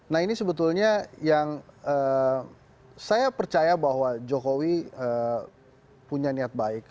nah ini sebetulnya yang saya percaya bahwa jokowi punya niat baik